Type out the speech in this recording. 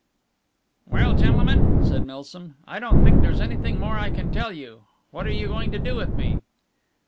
"Well, gentlemen," said Milsom, "I don't think there's anything more I can tell you. What are you going to do with me?"